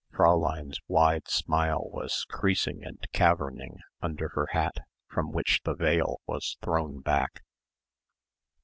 Fräulein's wide smile was creasing and caverning under her hat from which the veil was thrown back.